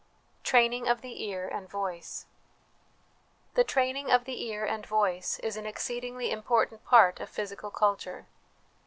Training of the Ear and Voice. The training of the ear and voice is an exceedingly important part of physical culture.